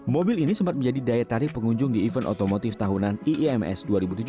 mobil ini sempat menjadi daya tarik pengunjung di event otomotif tahunan iims dua ribu tujuh belas